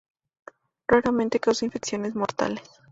Raramente causa infecciones mortales.